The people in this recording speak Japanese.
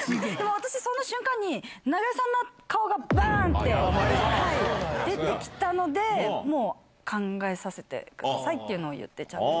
私、その瞬間に、長与さんの顔がばーんって出てきたので、もう、考えさせてくださいっていうのを言って、ちゃんと。